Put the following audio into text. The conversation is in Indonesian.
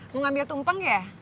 mau ngambil tumpeng ya